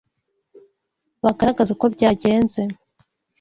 bagaragaze uko byagenze